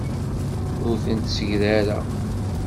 Ur tent-ssegrareɣ.